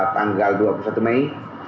tanggal dua puluh satu mei